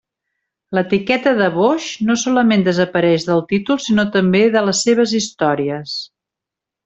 L'etiqueta de boix, no solament desapareix del títol sinó també de les seves històries.